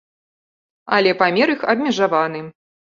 Але памер іх абмежаваны.